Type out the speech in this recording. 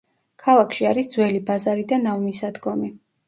ქალაქში არის ძველი ბაზარი და ნავმისადგომი.